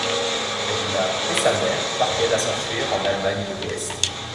Regina et sa mère parviennent à s'enfuir en Allemagne de l'Ouest.